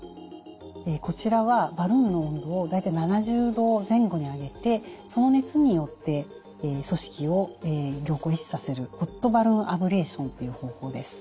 こちらはバルーンの温度を大体７０度前後に上げてその熱によって組織を凝固壊死させるホットバルーンアブレーションという方法です。